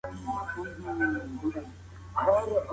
ډېره انرژي لرونکې خواړه کم کړئ.